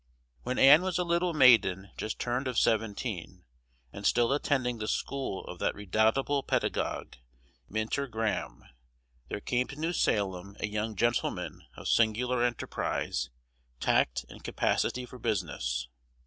When Ann was a little maiden just turned of seventeen, and still attending the school of that redoubtable pedagogue Min ter Graham, there came to New Salem a young gentleman of singular enterprise, tact, and capacity for business.